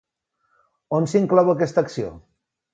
On s'inclou aquesta acció?